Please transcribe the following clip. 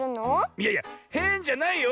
いやいやへんじゃないよ。